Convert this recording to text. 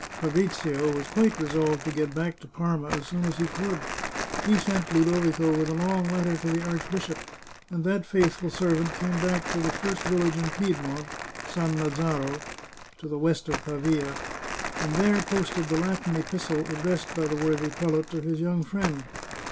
Fabrizio was quite resolved to get back to Parma as soon as he could. He sent Ludovico with a long letter to the arch bishop, and that faithful servant came back to the first village in Piedmont — Sannazaro, to the west of Pavia — and there posted the Latin epistle addressed by the worthy prelate to his young friend.